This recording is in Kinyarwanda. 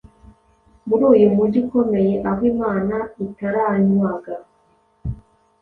Muri iyu mujyi ukomeye, aho Imana itaramywaga,